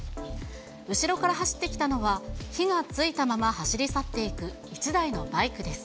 後ろから走ってきたのは、火がついたまま走り去っていく１台のバイクです。